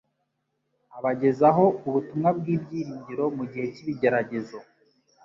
abagezaho ubutumwa bw'ibyiringiro mu gihe cy'ibigeragezo,